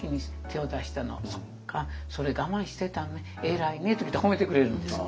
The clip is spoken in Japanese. そうかそれ我慢してたね偉いね」ときて褒めてくれるんですよ。